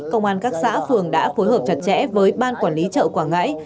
công an các xã phường đã phối hợp chặt chẽ với ban quản lý chợ quảng ngãi